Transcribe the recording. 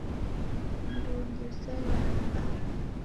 Mndu ungi uselo na mmbao